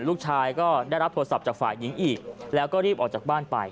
ลูกชายก็ได้รับโทรศัพท์จากฝ่ายหญิงอีกแล้วก็รีบออกจากบ้านไป